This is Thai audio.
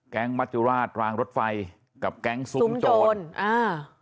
มัจจุราชรางรถไฟกับแก๊งซุ้มโจรอ่า